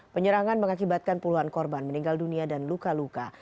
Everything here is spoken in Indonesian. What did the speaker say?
penyerangan mengakibatkan puluhan korban meninggal dunia dan luka luka